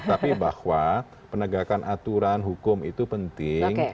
tapi bahwa penegakan aturan hukum itu penting